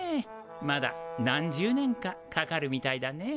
まだ何十年かかかるみたいだねえ。